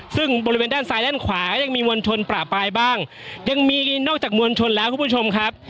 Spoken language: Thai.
ซึ่งบริเวณด้านซ้ายด้านขวายังมีมวลชนประปายบ้างยังมีนอกจากมวลชนแล้วคุณผู้ชมครับ